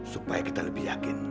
supaya kita lebih yakin